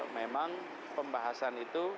memang pembahasan itu